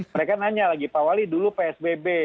mereka nanya lagi pak wali dulu psbb